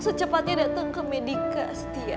secepatnya datang ke medica setia